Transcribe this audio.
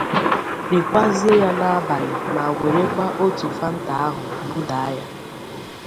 rikwazie ya n'abalị ma werekwa otu fanta ahụ budaa ya